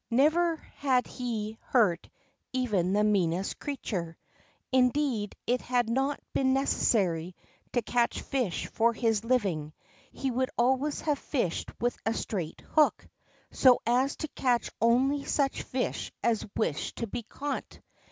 Never had he hurt even the meanest creature. Indeed, had it not been necessary to catch fish for his living, he would always have fished with a straight hook, so as to catch only such fish as wished to be caught.